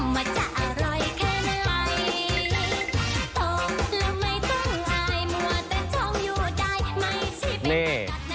ไม่เชื่อกันต้องเข้ามามาลองซักขั้นมามาชิมซักขั้นมันจะอร่อยแค่ไหน